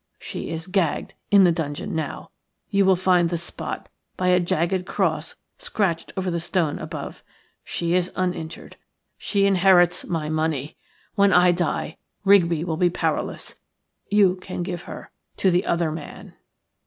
She is gagged in the dungeon now. You will find the spot by a jagged cross scratched over the stone above. She is uninjured. She inherits my money. When I die Rigby will be powerless. You can give her to the other man."